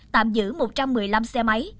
tạm giữ một trăm một mươi năm xe máy